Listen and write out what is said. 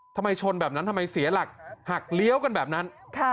ทำไมชนแบบนั้นทำไมเสียหลักหักเลี้ยวกันแบบนั้น